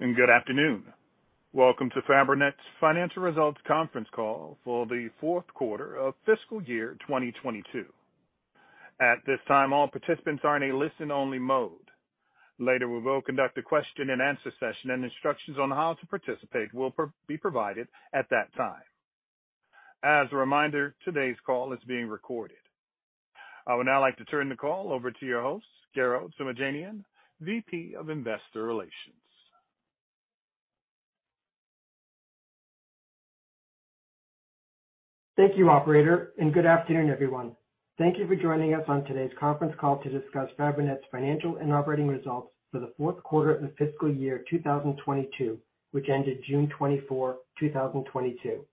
Good afternoon. Welcome to Fabrinet's financial results conference call for the fourth quarter of fiscal year 2022. At this time, all participants are in a listen-only mode. Later, we will conduct a question-and-answer session, and instructions on how to participate will be provided at that time. As a reminder, today's call is being recorded. I would now like to turn the call over to your host, Garo Toomajanian, VP of Investor Relations. Thank you, operator, and good afternoon, everyone. Thank you for joining us on today's conference call to discuss Fabrinet's financial and operating results for the fourth quarter of the fiscal year 2022, which ended June 24, 2022.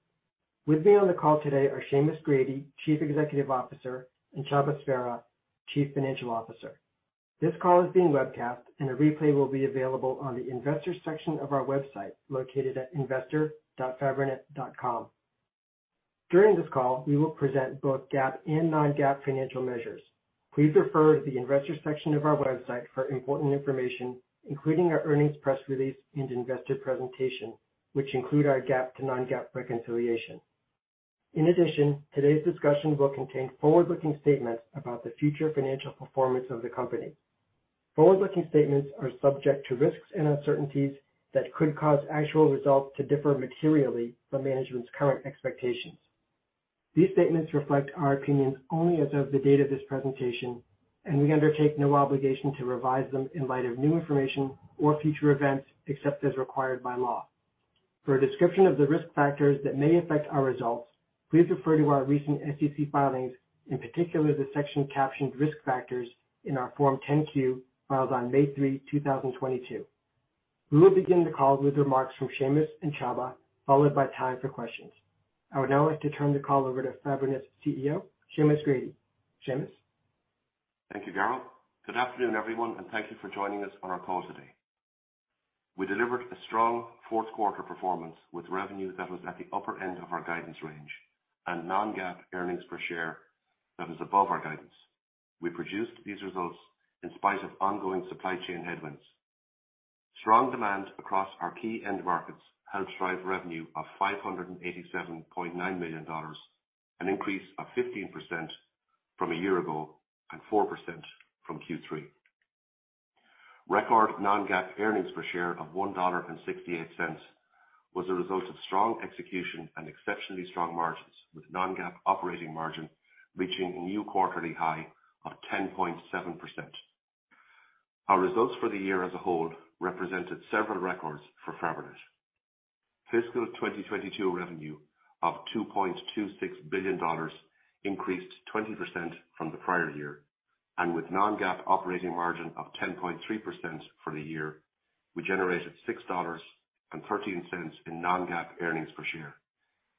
With me on the call today are Seamus Grady, Chief Executive Officer, and Csaba Sverha, Chief Financial Officer. This call is being webcast, and a replay will be available on the Investors section of our website located at investor.fabrinet.com. During this call, we will present both GAAP and non-GAAP financial measures. Please refer to the Investors section of our website for important information, including our earnings press release and investor presentation, which include our GAAP to non-GAAP reconciliation. In addition, today's discussion will contain forward-looking statements about the future financial performance of the company. Forward-looking statements are subject to risks and uncertainties that could cause actual results to differ materially from management's current expectations. These statements reflect our opinions only as of the date of this presentation, and we undertake no obligation to revise them in light of new information or future events, except as required by law. For a description of the risk factors that may affect our results, please refer to our recent SEC filings, in particular the section captioned Risk Factors in our Form 10-Q filed on May 3, 2022. We will begin the call with remarks from Seamus and Csaba, followed by time for questions. I would now like to turn the call over to Fabrinet's CEO, Seamus Grady. Seamus? Thank you, Garo. Good afternoon, everyone, and thank you for joining us on our call today. We delivered a strong fourth quarter performance with revenue that was at the upper end of our guidance range and non-GAAP earnings per share that was above our guidance. We produced these results in spite of ongoing supply chain headwinds. Strong demand across our key end markets helped drive revenue of $587.9 million, an increase of 15% from a year ago and 4% from Q3. Record non-GAAP earnings per share of $1.68 was a result of strong execution and exceptionally strong margins, with non-GAAP operating margin reaching a new quarterly high of 10.7%. Our results for the year as a whole represented several records for Fabrinet. Fiscal 2022 revenue of $2.26 billion increased 20% from the prior year. With non-GAAP operating margin of 10.3% for the year, we generated $6.13 in non-GAAP earnings per share,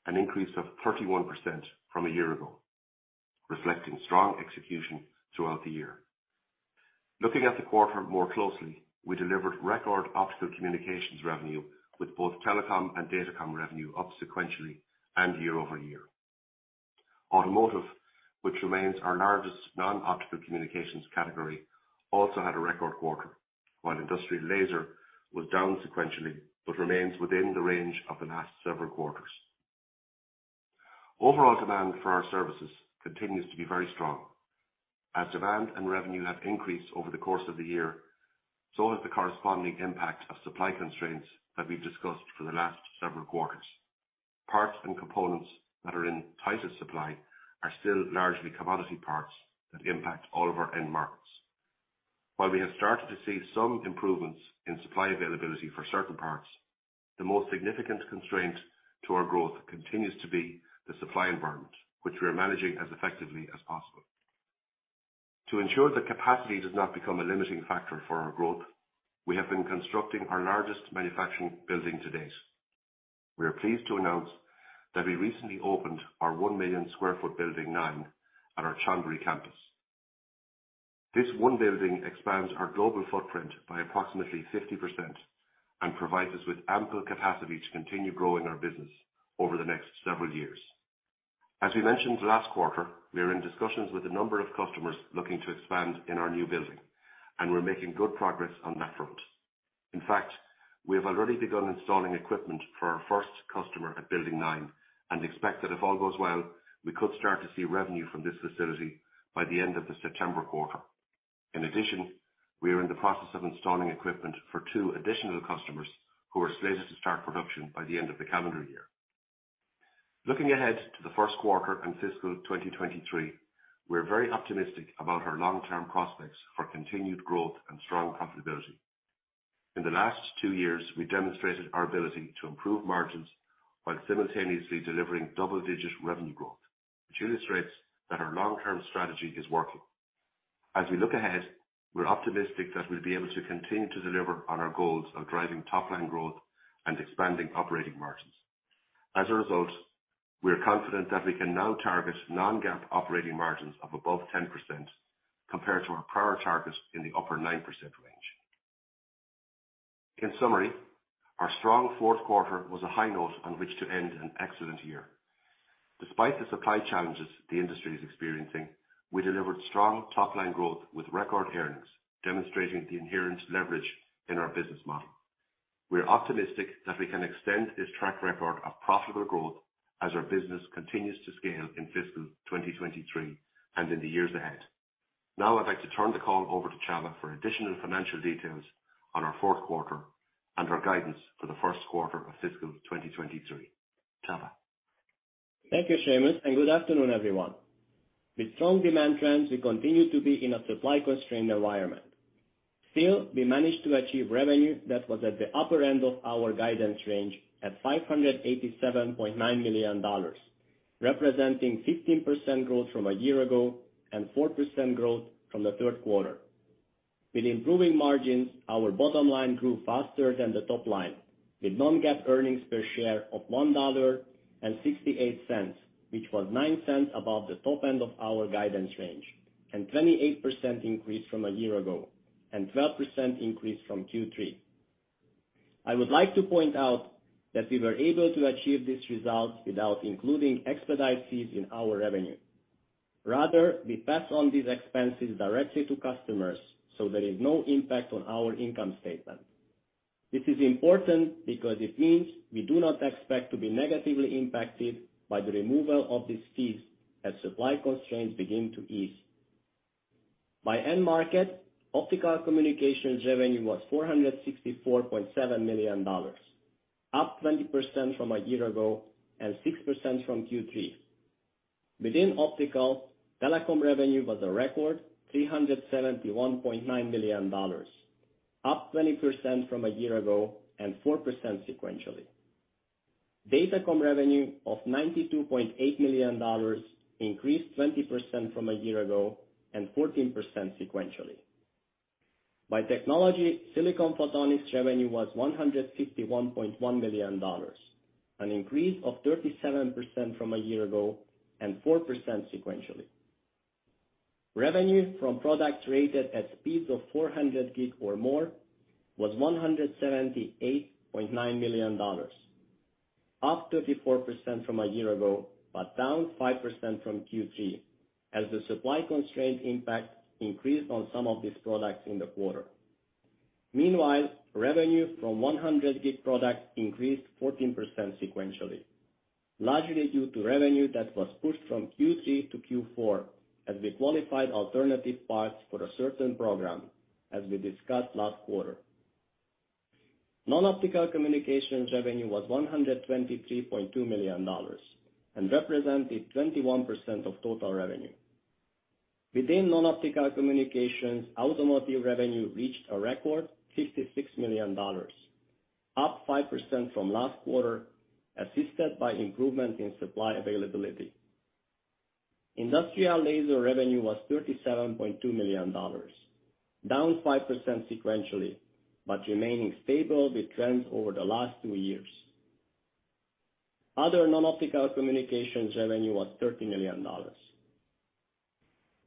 an increase of 31% from a year ago, reflecting strong execution throughout the year. Looking at the quarter more closely, we delivered record optical communications revenue with both telecom and datacom revenue up sequentially and year-over-year. Automotive, which remains our largest non-optical communications category, also had a record quarter, while industrial laser was down sequentially but remains within the range of the last several quarters. Overall demand for our services continues to be very strong. As demand and revenue have increased over the course of the year, so has the corresponding impact of supply constraints that we've discussed for the last several quarters. Parts and components that are in tighter supply are still largely commodity parts that impact all of our end markets. While we have started to see some improvements in supply availability for certain parts, the most significant constraint to our growth continues to be the supply environment, which we are managing as effectively as possible. To ensure that capacity does not become a limiting factor for our growth, we have been constructing our largest manufacturing building to date. We are pleased to announce that we recently opened our 1 million sq ft building nine at our Chonburi campus. This one building expands our global footprint by approximately 50% and provides us with ample capacity to continue growing our business over the next several years. As we mentioned last quarter, we are in discussions with a number of customers looking to expand in our new building, and we're making good progress on that front. In fact, we have already begun installing equipment for our first customer at building nine and expect that if all goes well, we could start to see revenue from this facility by the end of the September quarter. In addition, we are in the process of installing equipment for two additional customers who are slated to start production by the end of the calendar year. Looking ahead to the first quarter and fiscal 2023, we're very optimistic about our long-term prospects for continued growth and strong profitability. In the last two years, we demonstrated our ability to improve margins while simultaneously delivering double-digit revenue growth, which illustrates that our long-term strategy is working. As we look ahead, we're optimistic that we'll be able to continue to deliver on our goals of driving top line growth and expanding operating margins. As a result, we are confident that we can now target non-GAAP operating margins of above 10% compared to our prior targets in the upper 9% range. In summary, our strong fourth quarter was a high note on which to end an excellent year. Despite the supply challenges the industry is experiencing, we delivered strong top-line growth with record earnings, demonstrating the inherent leverage in our business model. We're optimistic that we can extend this track record of profitable growth as our business continues to scale in fiscal 2023 and in the years ahead. Now I'd like to turn the call over to Csaba for additional financial details on our fourth quarter and our guidance for the first quarter of fiscal 2023. Csaba? Thank you, Seamus, and good afternoon, everyone. With strong demand trends, we continue to be in a supply-constrained environment. Still, we managed to achieve revenue that was at the upper end of our guidance range at $587.9 million, representing 15% growth from a year ago and 4% growth from the third quarter. With improving margins, our bottom line grew faster than the top line, with non-GAAP earnings per share of $1.68, which was $0.09 above the top end of our guidance range, and 28% increase from a year ago, and 12% increase from Q3. I would like to point out that we were able to achieve these results without including expedite fees in our revenue. Rather, we pass on these expenses directly to customers, so there is no impact on our income statement. This is important because it means we do not expect to be negatively impacted by the removal of these fees as supply constraints begin to ease. By end market, optical communications revenue was $464.7 million, up 20% from a year ago and 6% from Q3. Within optical, telecom revenue was a record $371.9 million, up 20% from a year ago and 4% sequentially. Datacom revenue of $92.8 million increased 20% from a year ago and 14% sequentially. By technology, silicon photonics revenue was $151.1 million, an increase of 37% from a year ago and 4% sequentially. Revenue from products rated at speeds of 400G or more was $178.9 million, up 34% from a year ago, but down 5% from Q3, as the supply constraint impact increased on some of these products in the quarter. Meanwhile, revenue from 100G products increased 14% sequentially, largely due to revenue that was pushed from Q3 to Q4 as we qualified alternative parts for a certain program, as we discussed last quarter. Non-Optical Communications revenue was $123.2 million and represented 21% of total revenue. Within Non-Optical Communications, Automotive revenue reached a record $66 million, up 5% from last quarter, assisted by improvement in supply availability. Industrial laser revenue was $37.2 million, down 5% sequentially, but remaining stable with trends over the last two years. Other non-optical communications revenue was $30 million.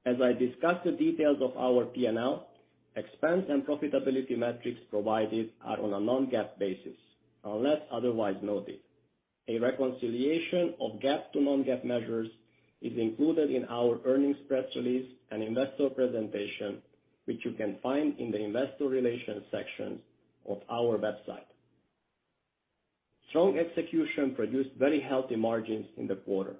As I discuss the details of our P&L, expense and profitability metrics provided are on a non-GAAP basis, unless otherwise noted. A reconciliation of GAAP to non-GAAP measures is included in our earnings press release and investor presentation, which you can find in the investor relations section of our website. Strong execution produced very healthy margins in the quarter.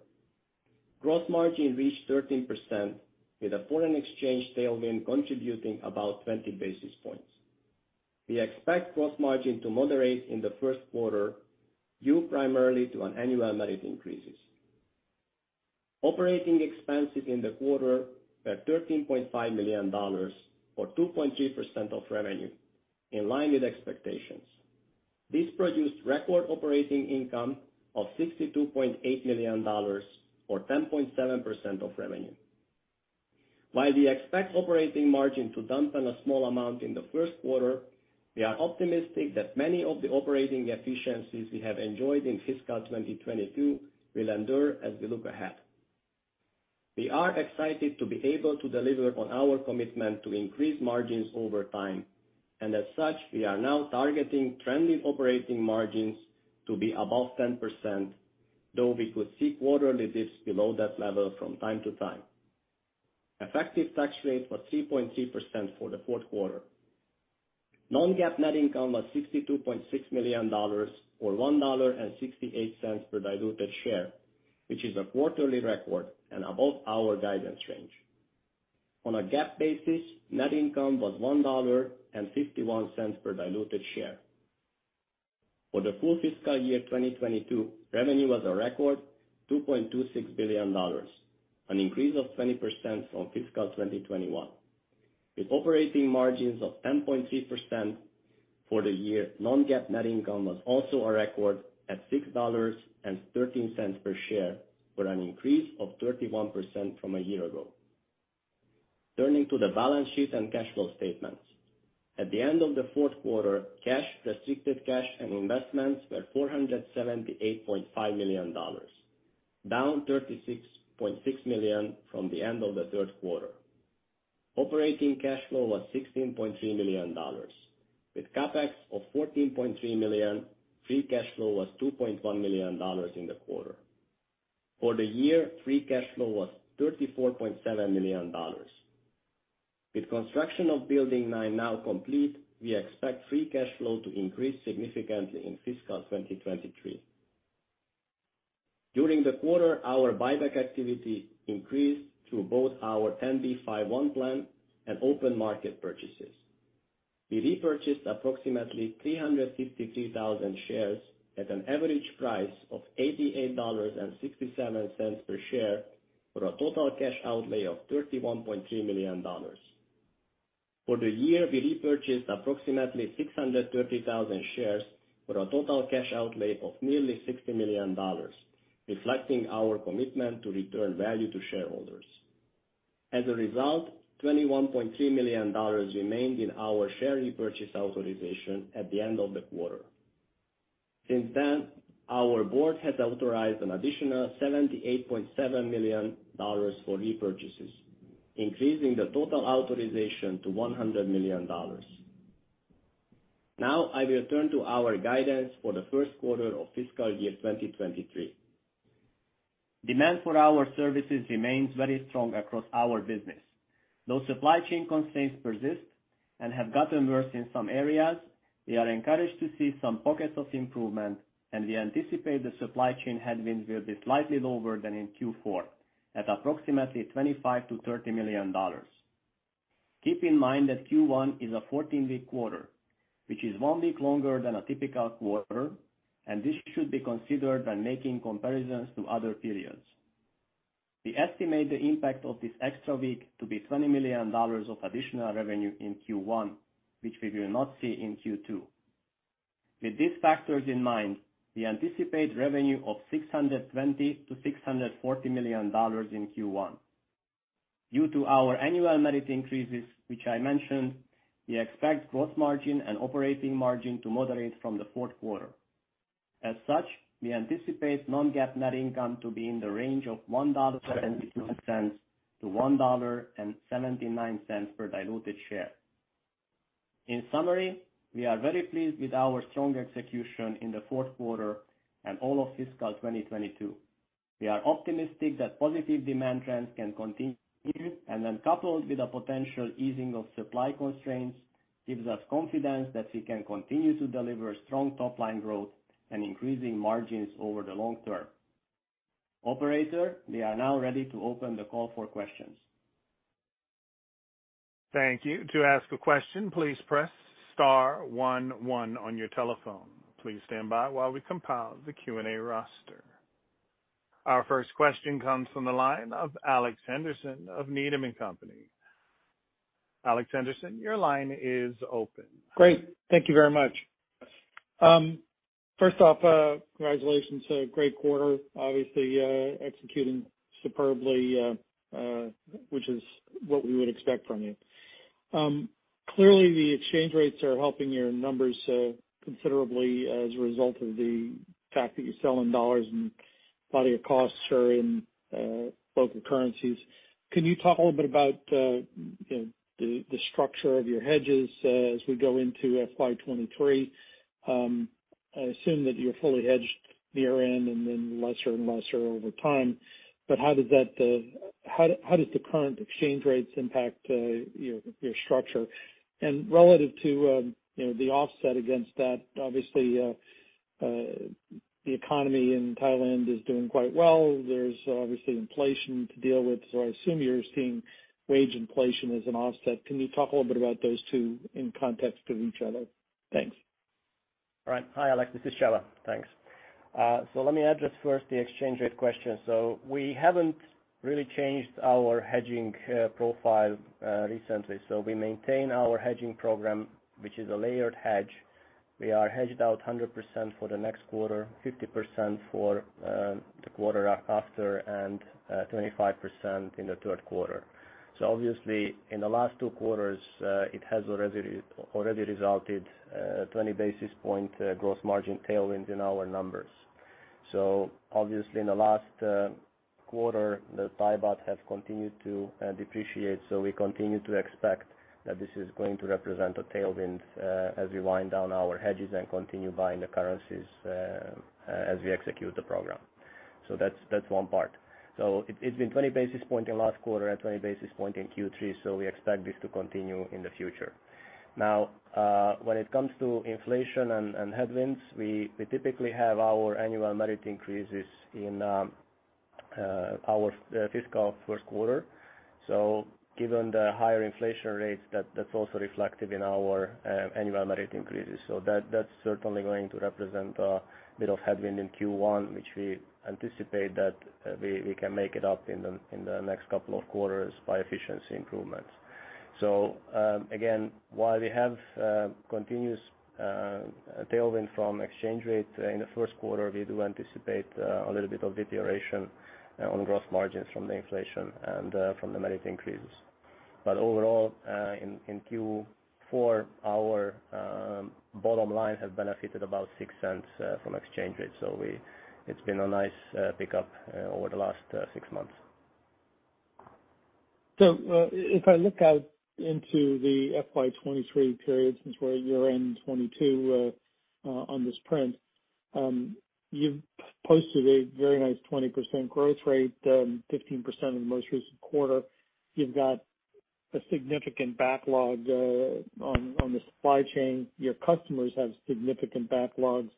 Gross margin reached 13%, with a foreign exchange tailwind contributing about 20 basis points. We expect gross margin to moderate in the first quarter due primarily to annual merit increases. Operating expenses in the quarter were $13.5 million, or 2.3% of revenue, in line with expectations. This produced record operating income of $62.8 million, or 10.7% of revenue. While we expect operating margin to dampen a small amount in the first quarter, we are optimistic that many of the operating efficiencies we have enjoyed in fiscal 2022 will endure as we look ahead. We are excited to be able to deliver on our commitment to increase margins over time. As such, we are now targeting trending operating margins to be above 10%, though we could see quarterly dips below that level from time to time. Effective tax rate was 3.3% for the fourth quarter. Non-GAAP net income was $62.6 million, or $1.68 per diluted share, which is a quarterly record and above our guidance range. On a GAAP basis, net income was $1.51 per diluted share. For the full fiscal year 2022, revenue was a record $2.26 billion, an increase of 20% on fiscal 2021. With operating margins of 10.3% for the year, non-GAAP net income was also a record at $6.13 per share, for an increase of 31% from a year ago. Turning to the balance sheet and cash flow statements. At the end of the fourth quarter, cash, restricted cash and investments were $478.5 million, down $36.6 million from the end of the third quarter. Operating cash flow was $16.3 million. With CapEx of $14.3 million, free cash flow was $2.1 million in the quarter. For the year, free cash flow was $34.7 million. With construction of building nine now complete, we expect free cash flow to increase significantly in fiscal 2023. During the quarter, our buyback activity increased through both our 10b5-1 plan and open market purchases. We repurchased approximately 353,000 shares at an average price of $88.67 per share for a total cash outlay of $31.3 million. For the year, we repurchased approximately 630,000 shares for a total cash outlay of nearly $60 million, reflecting our commitment to return value to shareholders. As a result, $21.3 million remained in our share repurchase authorization at the end of the quarter. Since then, our Board has authorized an additional $78.7 million for repurchases, increasing the total authorization to $100 million. Now I will turn to our guidance for the first quarter of fiscal year 2023. Demand for our services remains very strong across our business. Though supply chain constraints persist and have gotten worse in some areas, we are encouraged to see some pockets of improvement, and we anticipate the supply chain headwinds will be slightly lower than in Q4 at approximately $25 million-$30 million. Keep in mind that Q1 is a 14-week quarter, which is 1 week longer than a typical quarter, and this should be considered when making comparisons to other periods. We estimate the impact of this extra week to be $20 million of additional revenue in Q1, which we will not see in Q2. With these factors in mind, we anticipate revenue of $620 million-$640 million in Q1. Due to our annual merit increases, which I mentioned, we expect gross margin and operating margin to moderate from the fourth quarter. As such, we anticipate non-GAAP net income to be in the range of $1.72-$1.79 per diluted share. In summary, we are very pleased with our strong execution in the fourth quarter and all of fiscal 2022. We are optimistic that positive demand trends can continue, and when coupled with a potential easing of supply constraints, gives us confidence that we can continue to deliver strong top-line growth and increasing margins over the long term. Operator, we are now ready to open the call for questions. Thank you. To ask a question, please press star one one on your telephone. Please stand by while we compile the Q&A roster. Our first question comes from the line of Alex Henderson of Needham & Company. Alex Henderson, your line is open. Great. Thank you very much. First off, congratulations. A great quarter. Obviously, executing superbly, which is what we would expect from you. Clearly, the exchange rates are helping your numbers considerably as a result of the fact that you sell in dollars and a lot of your costs are in local currencies. Can you talk a little bit about you know the structure of your hedges as we go into FY 2023? I assume that you're fully hedged near-term and then less and less over time, but how does the current exchange rates impact your structure? Relative to you know the offset against that, obviously the economy in Thailand is doing quite well. There's obviously inflation to deal with, so I assume you're seeing wage inflation as an offset. Can you talk a little bit about those two in context of each other? Thanks. All right. Hi, Alex. This is Csaba. Thanks. Let me address first the exchange rate question. We haven't really changed our hedging profile recently. We maintain our hedging program, which is a layered hedge. We are hedged out 100% for the next quarter, 50% for the quarter after, and 25% in the third quarter. Obviously, in the last two quarters, it has already resulted 20 basis points gross margin tailwind in our numbers. Obviously, in the last quarter, the Thai baht has continued to depreciate, so we continue to expect that this is going to represent a tailwind as we wind down our hedges and continue buying the currencies as we execute the program. That's one part. It's been 20 basis points in last quarter and 20 basis points in Q3, we expect this to continue in the future. Now, when it comes to inflation and headwinds, we typically have our annual merit increases in our fiscal first quarter. Given the higher inflation rates, that's also reflected in our annual merit increases. That's certainly going to represent a bit of headwind in Q1, which we anticipate we can make it up in the next couple of quarters by efficiency improvements. Again, while we have continuous tailwind from exchange rate in the first quarter, we do anticipate a little bit of deterioration on gross margins from the inflation and from the merit increases. Overall, in Q4, our bottom line has benefited about $0.06 from exchange rates. It's been a nice pickup over the last 6 months. If I look out into the FY2023 period since we're year-end 2022, on this print, you've posted a very nice 20% growth rate, 15% in the most recent quarter. You've got a significant backlog on the supply chain. Your customers have significant backlogs,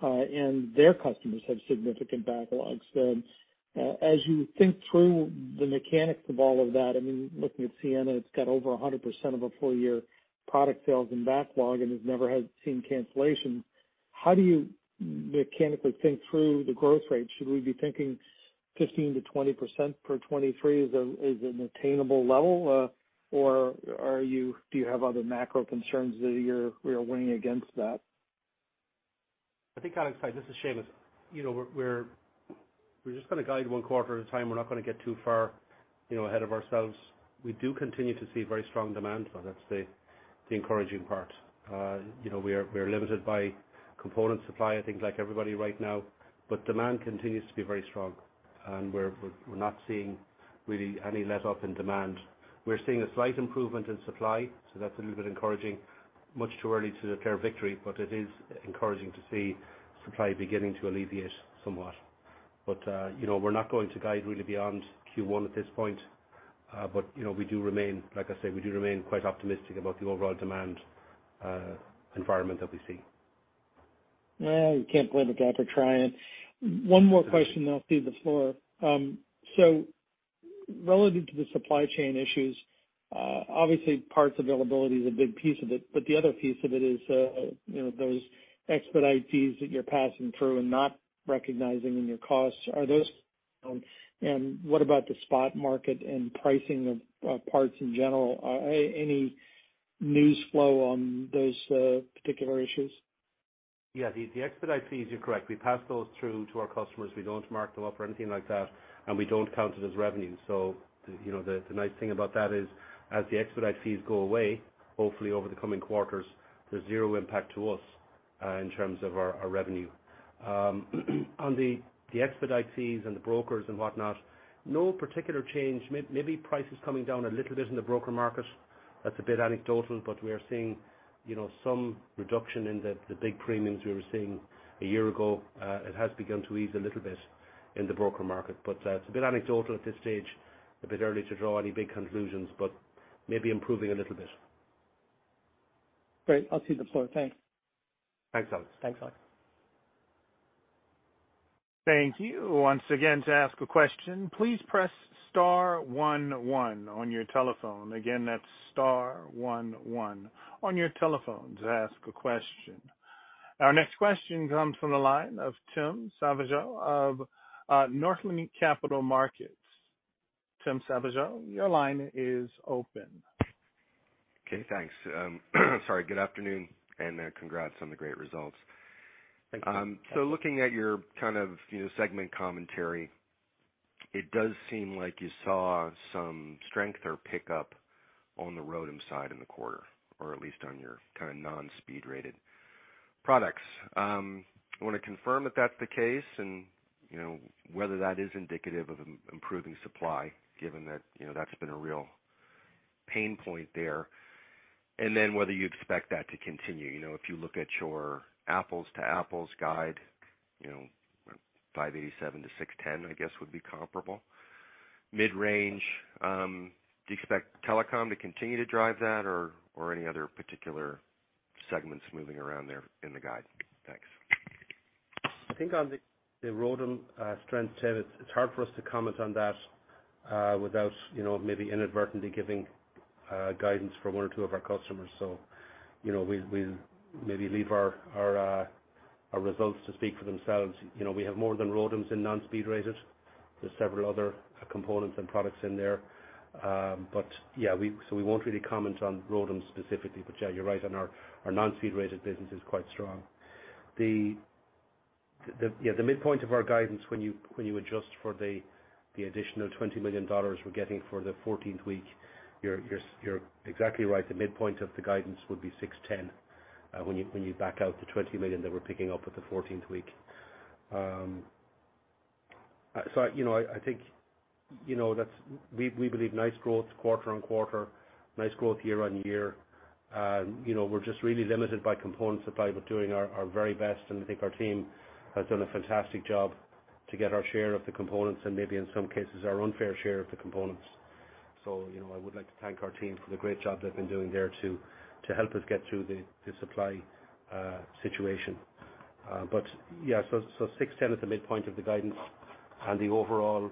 and their customers have significant backlogs. As you think through the mechanics of all of that, I mean, looking at Ciena, it's got over 100% of a full year product sales and backlog, and it never has seen cancellations. How do you mechanically think through the growth rate? Should we be thinking 15%-20% for 2023 is an attainable level? Or do you have other macro concerns that we are weighing against that? I think, Alex, this is Seamus. You know, we're just gonna guide one quarter at a time. We're not gonna get too far, you know, ahead of ourselves. We do continue to see very strong demand. That's the encouraging part. You know, we are limited by component supply, I think like everybody right now, but demand continues to be very strong, and we're not seeing really any letup in demand. We're seeing a slight improvement in supply, so that's a little bit encouraging. Much too early to declare victory, but it is encouraging to see supply beginning to alleviate somewhat. You know, we're not going to guide really beyond Q1 at this point. But you know, we do remain, like I say, we do remain quite optimistic about the overall demand environment that we see. Well, you can't blame a guy for trying. One more question, then I'll cede the floor. Relative to the supply chain issues, obviously parts availability is a big piece of it, but the other piece of it is, you know, those expedite fees that you're passing through and not recognizing in your costs. Are those. What about the spot market and pricing of parts in general? Are any news flow on those particular issues? Yeah. The expedite fees, you're correct. We pass those through to our customers. We don't mark them up or anything like that, and we don't count it as revenue. You know, the nice thing about that is as the expedite fees go away, hopefully over the coming quarters, there's zero impact to us in terms of our revenue. On the expedite fees and the brokers and whatnot, no particular change. Maybe prices coming down a little bit in the broker market. That's a bit anecdotal, but we are seeing, you know, some reduction in the big premiums we were seeing a year ago. It has begun to ease a little bit in the broker market. It's a bit anecdotal at this stage, a bit early to draw any big conclusions, but maybe improving a little bit. Great. I'll cede the floor. Thanks. Thanks, Alex. Thanks, Alex. Thank you. Once again, to ask a question, please press star one one on your telephone. Again, that's star one one on your telephone to ask a question. Our next question comes from the line of Tim Savageaux of Northland Capital Markets. Tim Savageaux, your line is open. Okay, thanks. Sorry, good afternoon and congrats on the great results. Thank you. Looking at your kind of, you know, segment commentary, it does seem like you saw some strength or pickup on the ROADM side in the quarter, or at least on your kind of non-speed graded products. I wanna confirm if that's the case and, you know, whether that is indicative of improving supply given that, you know, that's been a real pain point there, and then whether you expect that to continue. You know, if you look at your apples to apples guide, you know, $587-$610 I guess would be comparable. Midrange, do you expect telecom to continue to drive that or any other particular segments moving around there in the guide? Thanks. I think on the ROADM strength, Tim. It's hard for us to comment on that without you know, maybe inadvertently giving guidance for one or two of our customers. You know, we'll maybe leave our results to speak for themselves. You know, we have more than ROADMs in non-speed graded. There's several other components and products in there. But yeah, we won't really comment on ROADMs specifically, but yeah, you're right on our non-speed graded business is quite strong. The midpoint of our guidance when you adjust for the additional $20 million we're getting for the fourteenth week, you're exactly right. The midpoint of the guidance would be $610 million, when you back out the $20 million that we're picking up with the 14th week. I think that we believe nice growth quarter-over-quarter, nice growth year-over-year. We're just really limited by component supply. We're doing our very best, and I think our team has done a fantastic job to get our share of the components and maybe in some cases our unfair share of the components. I would like to thank our team for the great job they've been doing there to help us get through the supply situation. 610 is the midpoint of the guidance and the overall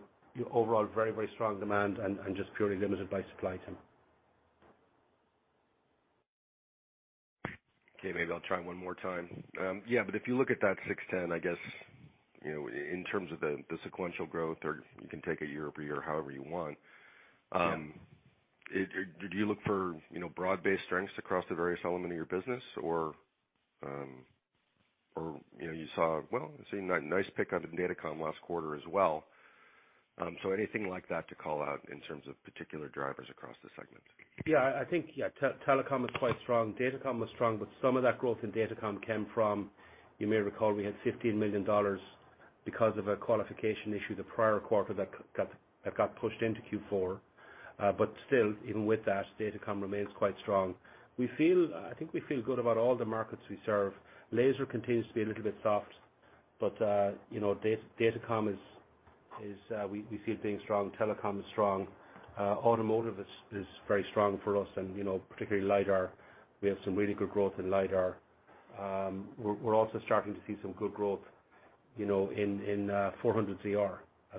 very strong demand and just purely limited by supply, Tim. Okay. Maybe I'll try one more time. Yeah, if you look at that 6%-10%, I guess, you know, in terms of the sequential growth or you can take it year-over-year, however you want. Yeah. Do you look for, you know, broad-based strengths across the various elements of your business or, you know, you saw, well, I've seen a nice pickup in the Datacom last quarter as well. So anything like that to call out in terms of particular drivers across the segment? Telecom is quite strong. Datacom was strong, but some of that growth in Datacom came from, you may recall, we had $50 million because of a qualification issue the prior quarter that got pushed into Q4. But still, even with that, Datacom remains quite strong. We feel good about all the markets we serve. Laser continues to be a little bit soft, but Datacom is, we feel, being strong. Telecom is strong. Automotive is very strong for us and, particularly LIDAR. We have some really good growth in LIDAR. We're also starting to see some good growth in 400ZR.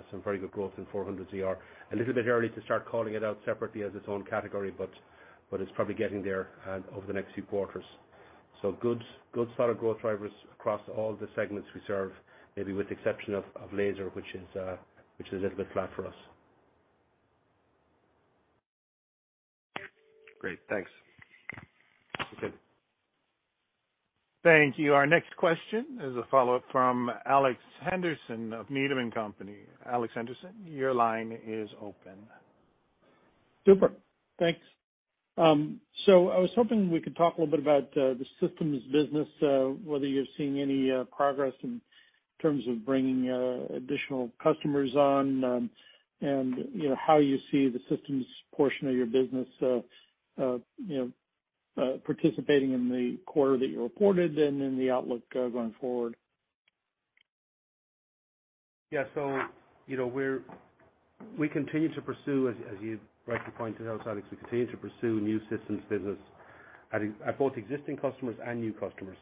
Some very good growth in 400ZR. A little bit early to start calling it out separately as its own category, but it's probably getting there over the next few quarters. Good solid growth drivers across all the segments we serve, maybe with the exception of laser, which is a little bit flat for us. Great. Thanks. Okay. Thank you. Our next question is a follow-up from Alex Henderson of Needham & Company. Alex Henderson, your line is open. Super. Thanks. I was hoping we could talk a little bit about the systems business, whether you're seeing any progress in terms of bringing additional customers on, and, you know, how you see the systems portion of your business, you know, participating in the quarter that you reported and in the outlook going forward. We continue to pursue, as you rightly pointed out, Alex, new systems business at both existing customers and new customers.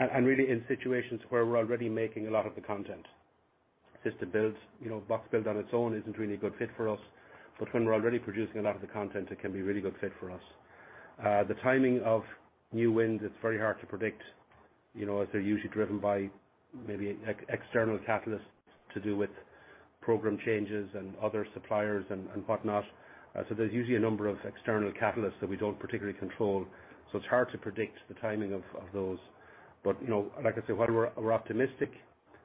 Really, in situations where we're already making a lot of the content. System builds, box build on its own isn't really a good fit for us. When we're already producing a lot of the content, it can be a really good fit for us. The timing of new wins, it's very hard to predict, as they're usually driven by maybe external catalysts to do with program changes and other suppliers and whatnot. There's usually a number of external catalysts that we don't particularly control. It's hard to predict the timing of those. You know, like I say, while we're optimistic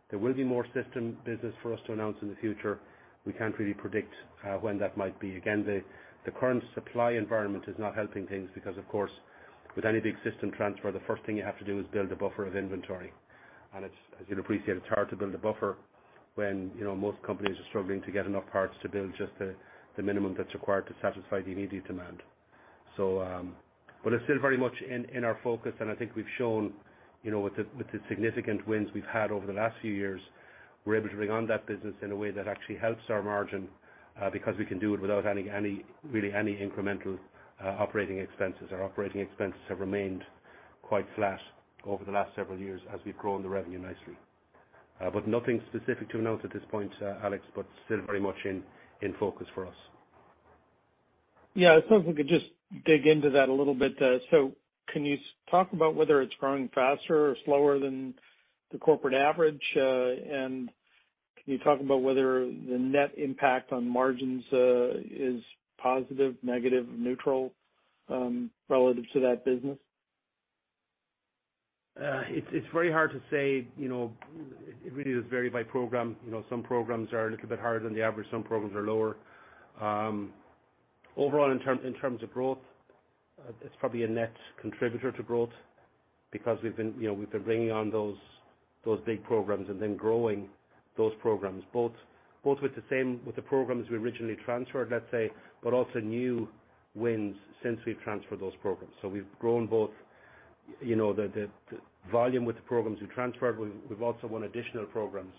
there will be more system business for us to announce in the future, we can't really predict when that might be. Again, the current supply environment is not helping things because, of course, with any big system transfer, the first thing you have to do is build a buffer of inventory. It's, as you'd appreciate, hard to build a buffer when you know most companies are struggling to get enough parts to build just the minimum that's required to satisfy the immediate demand. It's still very much in our focus, and I think we've shown, you know, with the significant wins we've had over the last few years, we're able to bring on that business in a way that actually helps our margin, because we can do it without any really incremental operating expenses. Our operating expenses have remained quite flat over the last several years as we've grown the revenue nicely. Nothing specific to note at this point, Alex, but still very much in focus for us. Yeah. I was hoping we could just dig into that a little bit. Can you talk about whether it's growing faster or slower than the corporate average? Can you talk about whether the net impact on margins is positive, negative, neutral, relative to that business? It's very hard to say, you know, it really does vary by program. You know, some programs are a little bit higher than the average, some programs are lower. Overall in terms of growth, it's probably a net contributor to growth because we've been, you know, bringing on those big programs and then growing those programs, both with the same, with the programs we originally transferred, let's say, but also new wins since we've transferred those programs. So we've grown both, you know, the volume with the programs we transferred. We've also won additional programs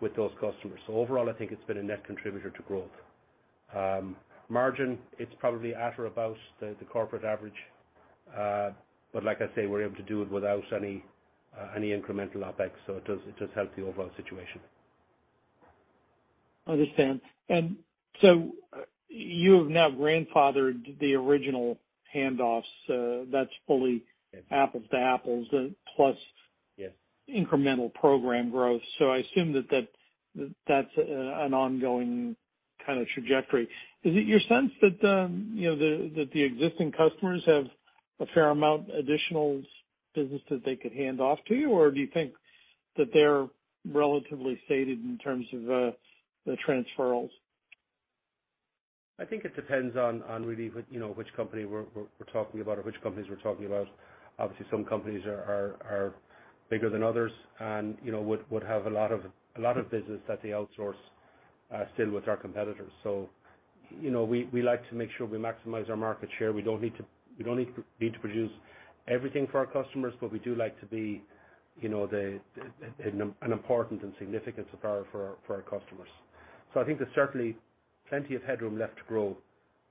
with those customers. So overall, I think it's been a net contributor to growth. Margin, it's probably at or about the corporate average. Like I say, we're able to do it without any incremental OpEx, so it does help the overall situation. Understand. You've now grandfathered the original handoffs, that's fully apples to apples, plus. Yes. Incremental program growth. I assume that that's an ongoing kind of trajectory. Is it your sense that, you know, that the existing customers have a fair amount additional business that they could hand off to you? Or do you think that they're relatively sated in terms of the transfers? I think it depends on really what, you know, which company we're talking about or which companies we're talking about. Obviously, some companies are bigger than others and, you know, would have a lot of business that they outsource still with our competitors. You know, we like to make sure we maximize our market share. We don't need to produce everything for our customers, but we do like to be, you know, an important and significant supplier for our customers. I think there's certainly plenty of headroom left to grow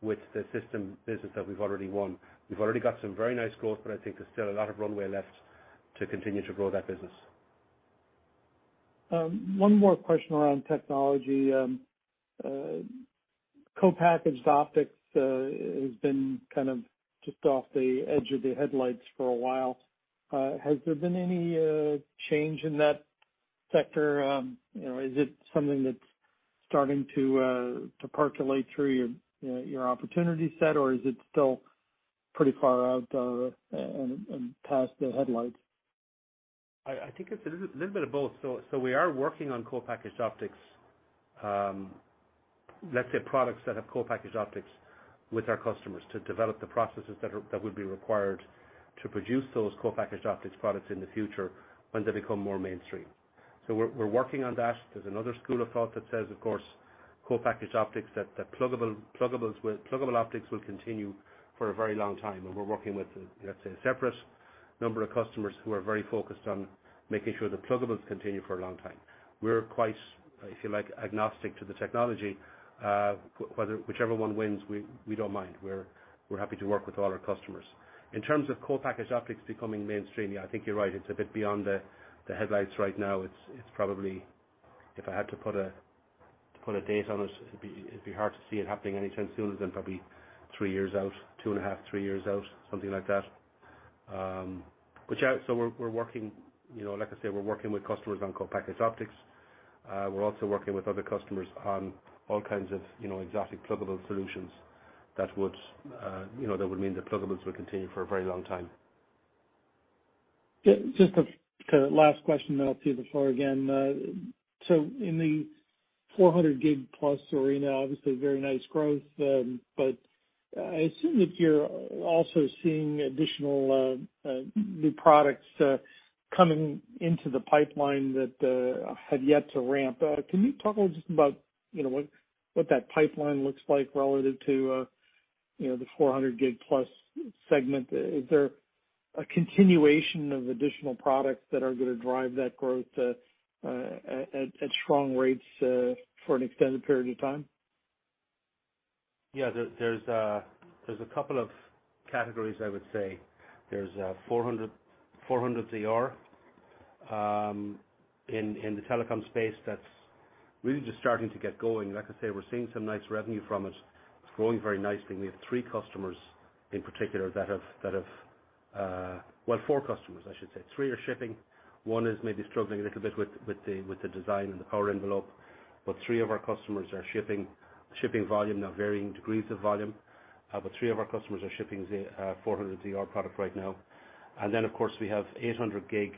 with the system business that we've already won. We've already got some very nice growth, but I think there's still a lot of runway left to continue to grow that business. One more question around technology. Co-packaged optics has been kind of just off the edge of the headlights for a while. Has there been any change in that sector? You know, is it something that's starting to percolate through your opportunity set, or is it still pretty far out, and past the headlights? I think it's a little bit of both. We are working on co-packaged optics. Let's say products that have co-packaged optics with our customers to develop the processes that would be required to produce those co-packaged optics products in the future when they become more mainstream. We're working on that. There's another school of thought that says, of course, pluggable optics will continue for a very long time. We're working with, let's say, a separate number of customers who are very focused on making sure the pluggables continue for a long time. We're quite, if you like, agnostic to the technology. Whichever one wins, we don't mind. We're happy to work with all our customers. In terms of co-packaged optics becoming mainstream, yeah, I think you're right. It's a bit beyond the headlights right now. It's probably, if I had to put a date on it'd be hard to see it happening anytime sooner than probably 3 years out, 2.5, 3 years out, something like that. We're working, you know, like I say, with customers on co-packaged optics. We're also working with other customers on all kinds of, you know, exotic pluggable solutions that would, you know, mean the pluggables will continue for a very long time. Yeah, just a kind of last question then I'll cede the floor again. In the 400 gig plus arena, obviously very nice growth, but I assume that you're also seeing additional new products coming into the pipeline that have yet to ramp. Can you talk a little just about, you know, what that pipeline looks like relative to, you know, the 400 gig plus segment? Is there a continuation of additional products that are gonna drive that growth at strong rates for an extended period of time? Yeah. There's a couple of categories, I would say. There's 400ZR in the telecom space that's really just starting to get going. Like I say, we're seeing some nice revenue from it. It's growing very nicely. We have three customers in particular that have. Well, four customers, I should say. Three are shipping. One is maybe struggling a little bit with the design and the power envelope. But three of our customers are shipping volume in varying degrees of volume, but three of our customers are shipping 400ZR product right now. Then, of course, we have 800G,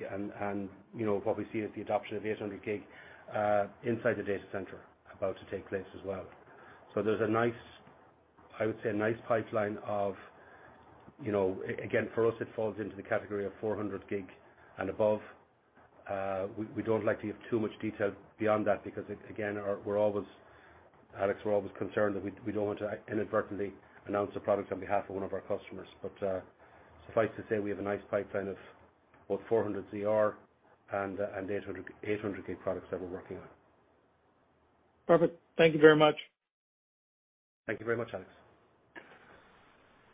you know, what we see is the adoption of 800G inside the data center about to take place as well. There's a nice, I would say, a nice pipeline of, you know, again, for us, it falls into the category of 400G and above. We don't like to give too much detail beyond that because, again, we're always, Alex, concerned that we don't want to inadvertently announce a product on behalf of one of our customers. Suffice to say, we have a nice pipeline of both 400ZR and 800G products that we're working on. Perfect. Thank you very much. Thank you very much, Alex.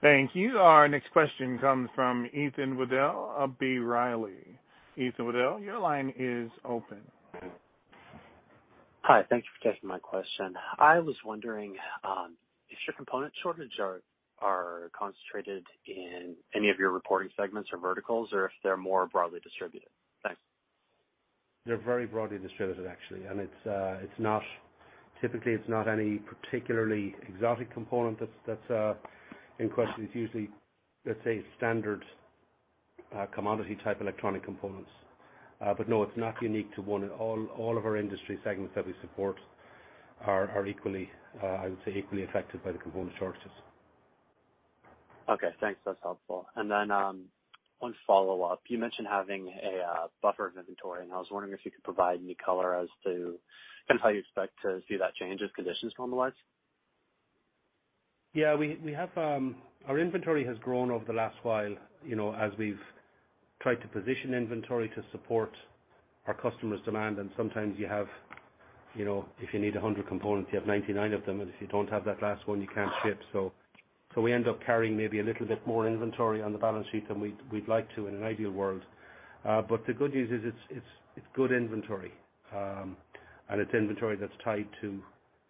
Thank you. Our next question comes from Ethan Widell of B. Riley. Ethan Widell, your line is open. Hi, thank you for taking my question. I was wondering, if your component shortage are concentrated in any of your reporting segments or verticals or if they're more broadly distributed? Thanks. They're very broadly distributed, actually. It's not any particularly exotic component that's in question. Typically, it's not any particularly exotic component that's in question. It's usually, let's say, standard commodity type electronic components. But no, it's not unique to one. All of our industry segments that we support are equally, I would say, equally affected by the component shortages. Okay, thanks. That's helpful. One follow-up. You mentioned having a buffer of inventory, and I was wondering if you could provide any color as to kind of how you expect to see that change as conditions normalize. We have our inventory has grown over the last while, you know, as we've tried to position inventory to support our customers' demand. Sometimes you have, you know, if you need 100 components, you have 99 of them. If you don't have that last one, you can't ship. We end up carrying maybe a little bit more inventory on the balance sheet than we'd like to in an ideal world. The good news is it's good inventory. It's inventory that's tied to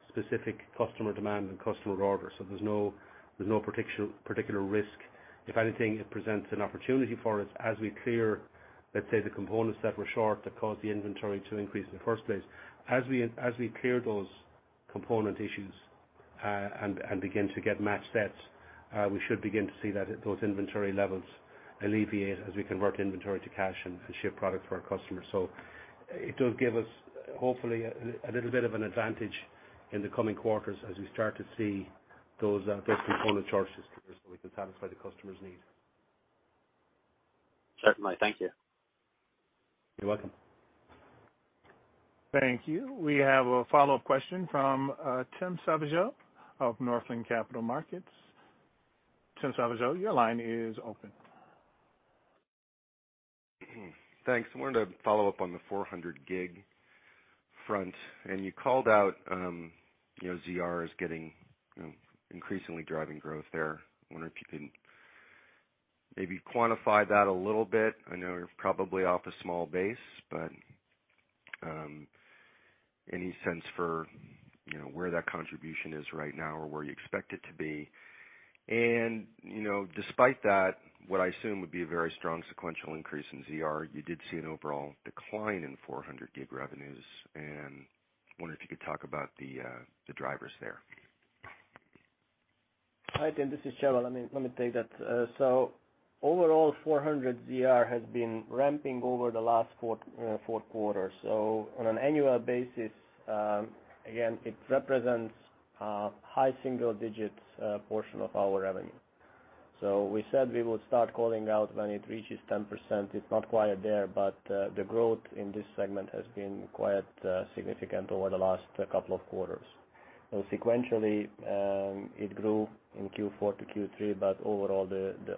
specific customer demand and customer orders. There's no particular risk. If anything, it presents an opportunity for us as we clear, let's say, the components that were short that caused the inventory to increase in the first place. As we clear those component issues, and begin to get matched sets, we should begin to see that those inventory levels alleviate as we convert inventory to cash and ship product for our customers. It does give us, hopefully, a little bit of an advantage in the coming quarters as we start to see those component shortages clear so we can satisfy the customers' need. Certainly. Thank you. You're welcome. Thank you. We have a follow-up question from, Tim Savageaux of Northland Capital Markets. Tim Savageaux, your line is open. Thanks. I wanted to follow up on the 400G front, and you called out, you know, ZR as getting, you know, increasingly driving growth there. I wonder if you can maybe quantify that a little bit. I know you're probably off a small base, but, any sense for, you know, where that contribution is right now or where you expect it to be? You know, despite that, what I assume would be a very strong sequential increase in ZR, you did see an overall decline in 400G revenues. I wonder if you could talk about the drivers there. Hi, Tim, this is Csaba Sverha. Let me take that. Overall 400ZR has been ramping over the last four quarters. On an annual basis, again, it represents high single digits portion of our revenue. We said we would start calling out when it reaches 10%. It's not quite there, but the growth in this segment has been quite significant over the last couple of quarters. Now, sequentially, it grew in Q4 to Q3, but overall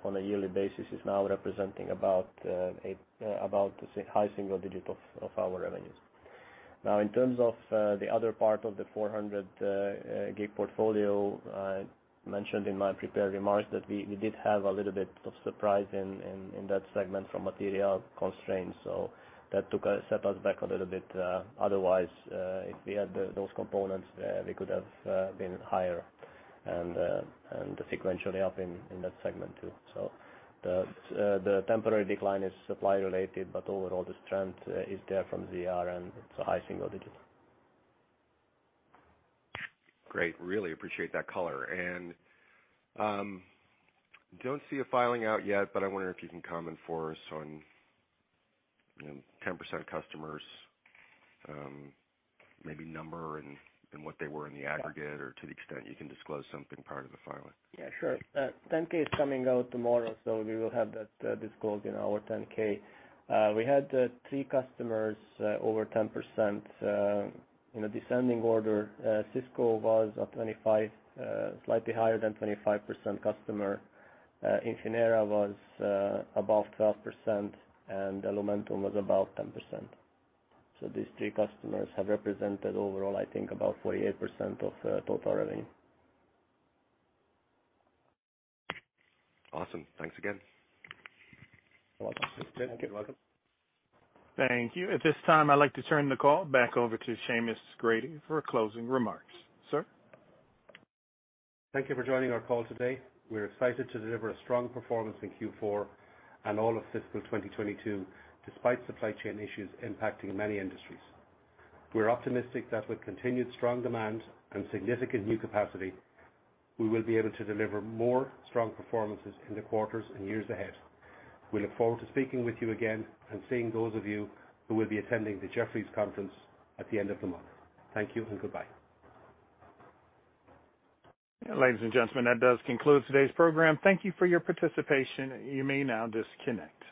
on a yearly basis is now representing about high single digit of our revenues. Now, in terms of the other part of the 400G portfolio, I mentioned in my prepared remarks that we did have a little bit of surprise in that segment from material constraints, so that took us back a little bit. Otherwise, if we had those components, we could have been higher and sequentially up in that segment too. The temporary decline is supply related, but overall the trend is there from ZR, and it's a high single digit. Great. Really appreciate that color. Don't see a filing out yet, but I'm wondering if you can comment for us on, you know, 10% customers, maybe number and what they were in the aggregate or to the extent you can disclose something prior to the filing. Yeah, sure. 10-K is coming out tomorrow, so we will have that disclosed in our 10-K. We had three customers over 10%, in a descending order. Cisco was a 25, slightly higher than 25% customer. Infinera was above 12%, and Lumentum was about 10%. These three customers have represented overall, I think about 48% of total revenue. Awesome. Thanks again. You're welcome. Thank you. You're welcome. Thank you. At this time, I'd like to turn the call back over to Seamus Grady for closing remarks. Sir. Thank you for joining our call today. We're excited to deliver a strong performance in Q4 and all of fiscal 2022, despite supply chain issues impacting many industries. We're optimistic that with continued strong demand and significant new capacity, we will be able to deliver more strong performances in the quarters and years ahead. We look forward to speaking with you again and seeing those of you who will be attending the Jefferies conference at the end of the month. Thank you and goodbye. Ladies and gentlemen, that does conclude today's program. Thank you for your participation. You may now disconnect.